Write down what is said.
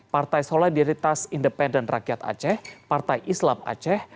partai solidaritas independen rakyat aceh partai islam aceh